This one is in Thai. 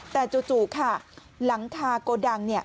แต่จู่ค่ะหลังคาโกดัง